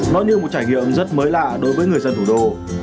nó như một trải nghiệm rất mới lạ đối với người dân thủ đô